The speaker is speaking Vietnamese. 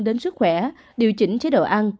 đến sức khỏe điều chỉnh chế độ ăn